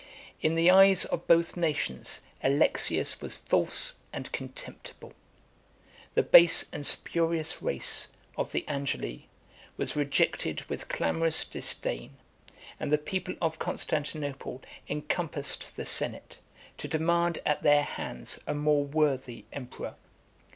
In the eyes of both nations Alexius was false and contemptible; the base and spurious race of the Angeli was rejected with clamorous disdain; and the people of Constantinople encompassed the senate, to demand at their hands a more worthy emperor.